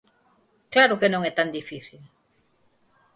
Claro que non é tan difícil.